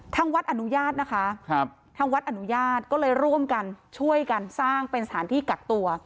ทั้งวัดอนุญาตก็เลยร่วมกันช่วยกันสร้างเป็นสถานที่กักตัว